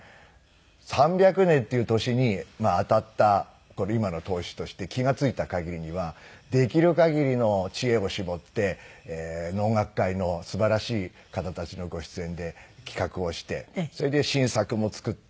３００年っていう年にあたった今の当主として気が付いた限りにはできる限りの知恵を絞って能楽界のすばらしい方たちのご出演で企画をしてそれで新作も作って。